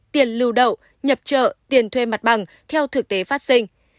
tiền lưu đậu nhập trợ tiền thuê mặt bằng theo thực tế phát sinh